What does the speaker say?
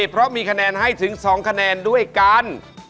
เพราะมีคะแนนให้ถึง๒คะแนนด้วยกัน